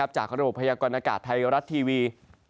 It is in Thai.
จากระบบพยากรณากาศไทยรัฐทีวี